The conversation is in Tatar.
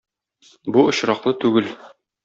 Бу очраклы түгел.